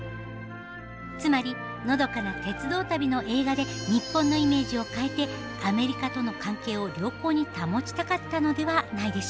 つまりのどかな鉄道旅の映画で日本のイメージを変えてアメリカとの関係を良好に保ちたかったのではないでしょうか。